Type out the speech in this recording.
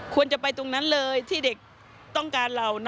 ควรจะไปตรงนั้นเลยที่เด็กต้องการเรา